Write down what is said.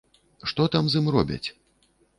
Што там з ім робяць?